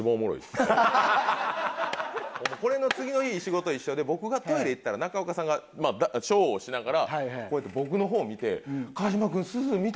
これの次の日に仕事一緒で僕がトイレ行ったら中岡さんが小をしながらこうやって僕の方を見て「川島君“すず”見た？